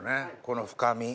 この深み。